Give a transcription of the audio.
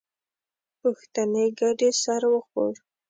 پوښتنې ګډې سر وخوړ.